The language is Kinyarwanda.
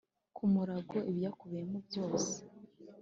ku mugaragaro ibiyakubiyemo byose